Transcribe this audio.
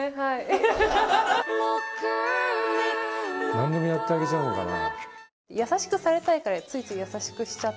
何でもやってあげちゃうのかな。